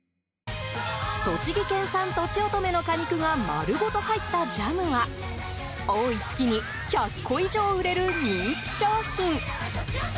栃木県産とちおとめの果肉が丸ごと入ったジャムは多い月に１００個以上売れる人気商品。